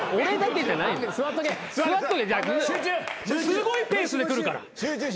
すごいペースで来るから二人で。